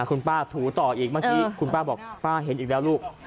คุณป้าถูต่ออีกเมื่อกี้คุณป้าบอกป้าเห็นอีกแล้วลูก